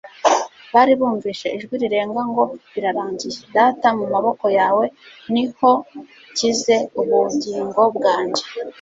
Bari bumvise ijwi rirenga ngo : "Birarangiye." "Data mu maboko yawe ni honshyize ubugingo bwanjye."